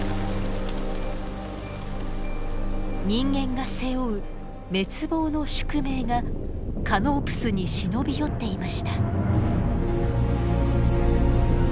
人間が背負う滅亡の宿命がカノープスに忍び寄っていました。